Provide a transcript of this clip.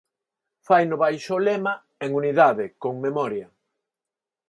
Faino baixo o lema En unidade, con memoria.